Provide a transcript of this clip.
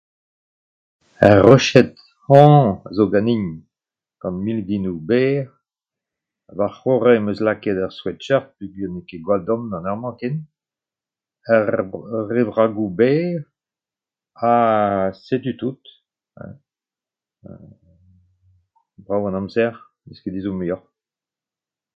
Ur roched hañv a zo ganin gant milginoù berr. War c'horre em eus lakaet ur sweat-shirt peogwir n'eo ket gwall domm d'an eur-mañ ken. Ur re vragoù berr ha setu tout. Brav an amzer, n'eus ket ezhomm muioc'h.